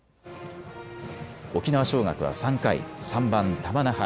沖縄尚学は３回、３番・玉那覇。